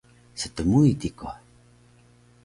Stmui tikuh